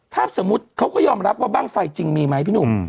ถ้าสมมุติเขาก็ยอมรับว่าบ้างไฟจริงมีไหมพี่หนุ่ม